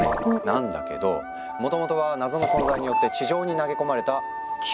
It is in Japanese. なんだけどもともとは謎の存在によって地上に投げ込まれた「球」だったの。